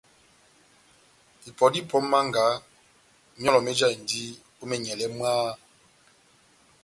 Ipɔ dá ipɔ ó mánga, myɔlɔ méjahindini ó menyɛlɛ mwaaaha !